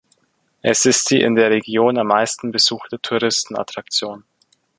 Es ist die in der Region am meisten besuchte Touristen-Attraktion.